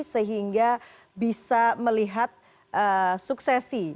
sehingga bisa melihat suksesi